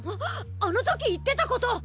あの時言ってたこと！